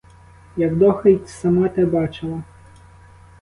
Явдоха й сама те бачила.